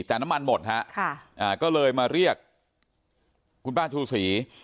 แต่น้ำมันหมดฮะก็เลยมาเรียกคุณป้าชูศรี